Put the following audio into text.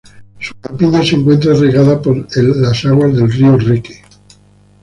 Su campiña se encuentra regada por las aguas del río Reque.